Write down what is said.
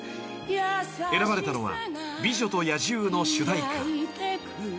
［選ばれたのは『美女と野獣』の主題歌］